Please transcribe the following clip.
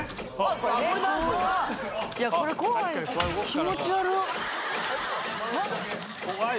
気持ち悪い。